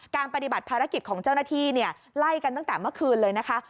ปฏิบัติภารกิจของเจ้าหน้าที่เนี่ยไล่กันตั้งแต่เมื่อคืนเลยนะคะ